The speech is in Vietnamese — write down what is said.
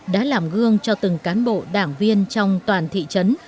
đã làm gương cho từng cán bộ đảng viên trong toàn thị trấn